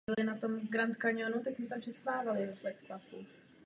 Aréna poskytuje divákům i restauraci a letní terasu.